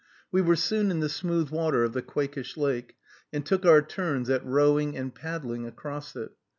We were soon in the smooth water of the Quakish Lake, and took our turns at rowing and paddling across it.